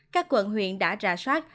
các quận huyện đã ra soát